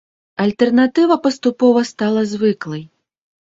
Альтэрнатыва паступова стала звыклай.